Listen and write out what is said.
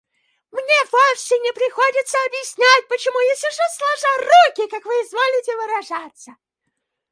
Мне вовсе не приходится объяснять почему я сижу сложа руки, как вы изволите выражаться.